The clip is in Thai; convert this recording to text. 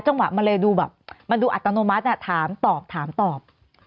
จังหวะมันเลยดูแบบมันดูอัตโนมัติถามตอบถามตอบ